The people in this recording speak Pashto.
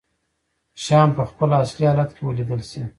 شيان په خپل اصلي حالت کې ولیدلی شي.